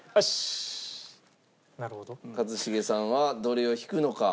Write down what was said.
一茂さんはどれを引くのか？